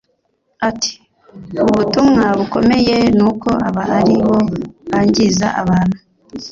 Ati “Ubutumwa bukomeye n’uko aba ari bo bangiza abantu